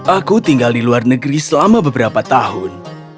aku tinggal di luar negeri selama beberapa tahun